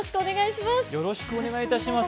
よろしくお願いします。